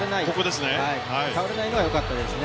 倒れないのは良かったですね。